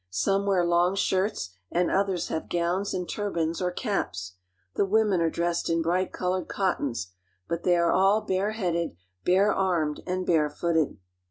Some wear long shirts and others have gowns and turbans or caps. The women are dressed in bright colored cottons; but they are all bare headed, barearined, and barefooted.